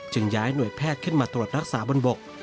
ย้ายหน่วยแพทย์ขึ้นมาตรวจรักษาบนบก